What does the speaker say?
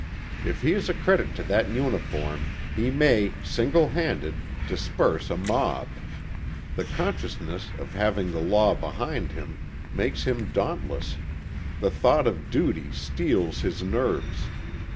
If he is a credit to that uniform he may, single handed, disperse a mob. The consciousness of having the law behind him makes him dauntless; the thought of duty steels his nerves.